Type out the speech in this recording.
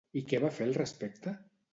I què va fer al respecte?